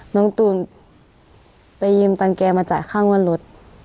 น้องตูนไปยืมตังแกมาจ่ายค่างวดรถ